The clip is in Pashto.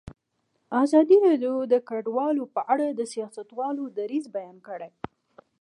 ازادي راډیو د کډوال په اړه د سیاستوالو دریځ بیان کړی.